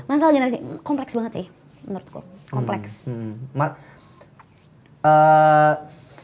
masalah generasi kompleks banget sih menurutku kompleks